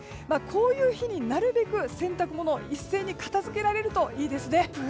こういう日になるべく洗濯物を一斉に片づけられるといいですね。